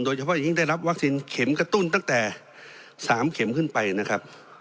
โดยเฉพาะอย่างยิ่งได้รับวัคซีนเข็มกระตุ้นตั้งแต่๓เข็มขึ้นไปนะครับ